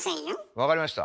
分かりました。